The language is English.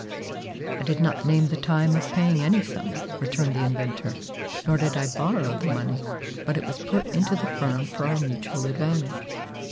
"I did not name the time of paying any sum," returned the inventor, "nor did I borrow the money, but it was put into the firm for our mutual advantage.